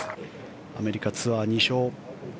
アメリカツアー２勝。